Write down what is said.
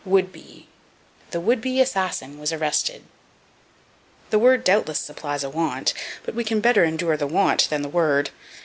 Would be. "The would be assassin was arrested." The word doubtless supplies a want, but we can better endure the want than the word.